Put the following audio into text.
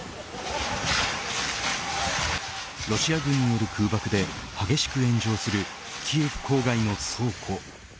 ロシア軍による空爆で激しく炎上するキエフ郊外の倉庫。